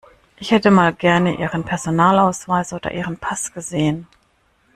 Ich hätte mal gern Ihren Personalausweis oder Ihren Pass gesehen.